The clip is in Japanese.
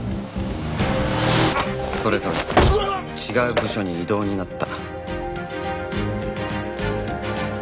それぞれ違う部署に異動になった